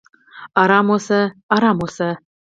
"ارام اوسه! ارام اوسه!"